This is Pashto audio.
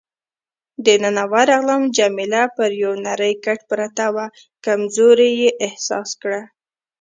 دننه ورغلم، جميله پر یو نرۍ کټ پرته وه، کمزوري یې احساس کړه.